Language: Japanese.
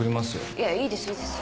いやいいですいいです。